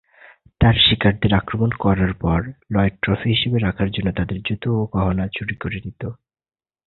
তার শিকারদের আক্রমণ করার পর, লয়েড ট্রফি হিসাবে রাখার জন্য তাদের জুতো এবং গহনা চুরি করে নিত।